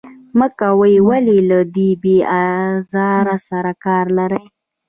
مه کوئ، ولې له دې بې آزار سره کار لرئ.